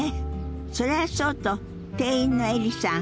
それはそうと店員のエリさん